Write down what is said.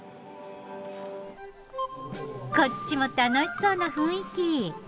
こっちも楽しそうな雰囲気。